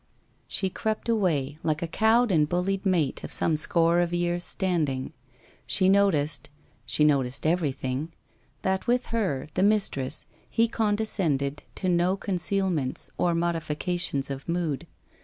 She crept away, like a cowed and bullied mate of some score of years standing. She noticed — she noticed every thing — that with her, the mistress, he condescended to no concealments, or modifications of mood.